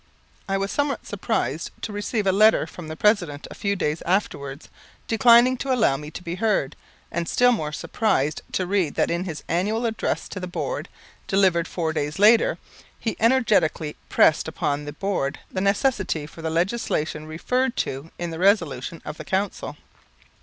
I was somewhat surprised to receive a letter from the President a few days afterwards declining to allow me to be heard, and still more surprised to read that in his annual address to the Board, delivered four days later, he energetically pressed upon the Board the necessity for the legislation referred to in the resolution of the Council.